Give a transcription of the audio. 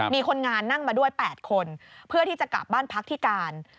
มีคนงานนั่งมาด้วย๘คนเพื่อที่จะกลับบ้านพักที่การ